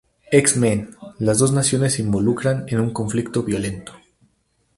X-Men" las dos naciones se involucran en un conflicto violento.